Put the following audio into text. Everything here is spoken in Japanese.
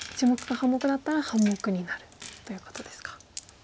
１目か半目だったら半目になるということですか。